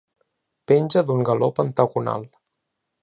Penja d'un galó pentagonal.